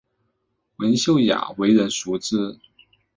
文秀雅为人熟知。